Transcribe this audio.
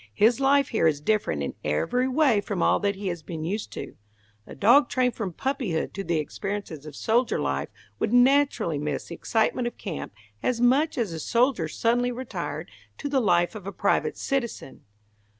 His life here is different in every way from all that he has been used to. A dog trained from puppyhood to the experiences of soldier life would naturally miss the excitement of camp as much as a soldier suddenly retired to the life of a private citizen."